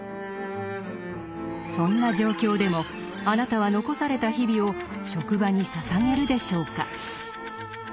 そんな状況でもあなたは残された日々を職場に捧げるでしょうか？